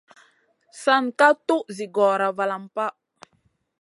San ka tuʼ zi gora valam pa.